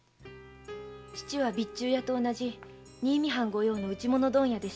父は備中屋と同じ新見藩御用の打物問屋でした。